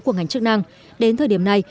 của ngành chức năng đến thời điểm này